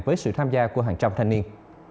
với sự tham gia của hàng trăm thanh niên